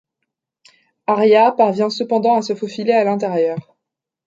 Arya parvient cependant à se faufiler à l'intérieur.